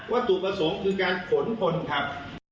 ๒๕๐๐ว่าถูกประสงค์คือการขนคนครับ